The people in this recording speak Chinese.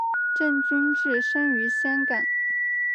郑君炽生于香港。